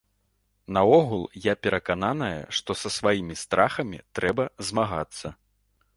Наогул, я перакананая, што са сваімі страхамі трэба змагацца.